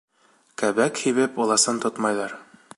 Кәбәк һибеп, ыласын тотмайҙар.